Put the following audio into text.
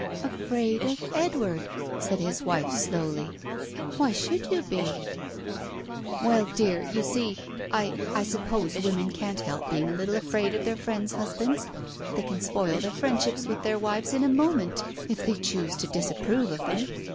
"Afraid of Edward!" said his wife slowly. "Why should you be ?" "Well, dear — you see — I — I suppose women can't help being a little afraid of their friends' husbands — they can spoil their friendships with their wives in a moment, if they choose to disapprove of them.